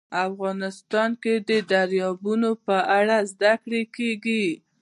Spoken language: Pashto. افغانستان کې د دریابونه په اړه زده کړه کېږي.